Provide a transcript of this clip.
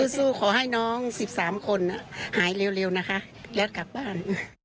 สู้ขอให้น้อง๑๓คนหายเร็วนะคะแล้วกลับบ้าน